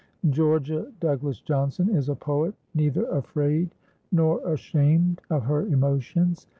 Georgia Douglas Johnson is a poet neither afraid nor ashamed of her emotions.